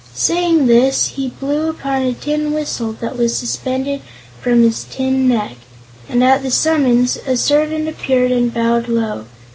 Saying this he blew upon a tin whistle that was suspended from his tin neck, and at the summons a servant appeared and bowed low.